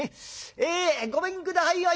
「ええごめんくださいまし。